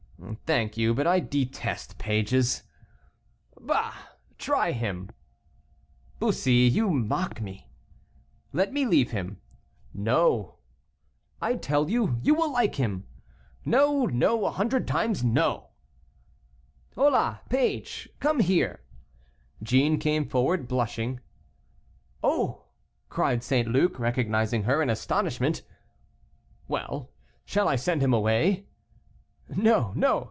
"Thank you, but I detest pages." "Bah! try him." "Bussy, you mock me." "Let me leave him." "No." "I tell you, you will like him." "No, no, a hundred times, no." "Hola, page, come here." Jeanne came forward, blushing. "Oh!" cried St. Luc, recognizing her, in astonishment. "Well! shall I send him away?" "No, no.